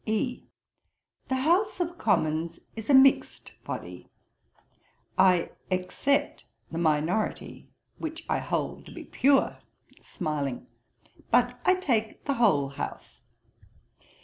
E. 'The House of Commons is a mixed body. (I except the Minority, which I hold to be pure, [smiling] but I take the whole House.)